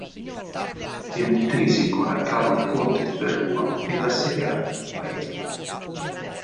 I Piemontesi con a capo il conte di Verrua ed assediarono il paese.